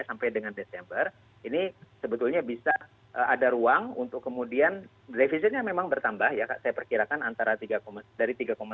sampai dengan desember ini sebetulnya bisa ada ruang untuk kemudian defisitnya memang bertambah ya kak saya perkirakan antara tiga dari tiga sembilan per jam